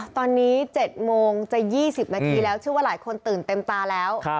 ตอนนี้๗โมงจะ๒๐นาทีแล้วเชื่อว่าหลายคนตื่นเต็มตาแล้ว